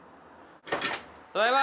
ただいま！